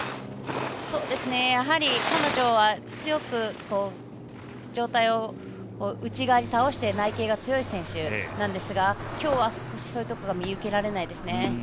彼女は強く上体を内側に倒して内傾が強い選手なんですが今日は、少しそういうところが見受けられないですね。